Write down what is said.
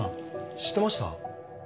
知ってました？